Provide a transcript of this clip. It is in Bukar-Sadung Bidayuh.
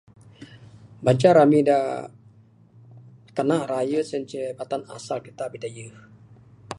Banca rami da kana raye sien ceh batang asal kita bidayuh.